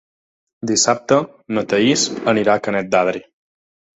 Dissabte na Thaís anirà a Canet d'Adri.